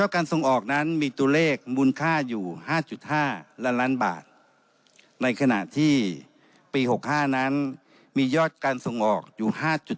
อยู่๕๕ล้านล้านบาทในขณะที่ปี๖๕นั้นมียอดการส่งออกอยู่๕๗๗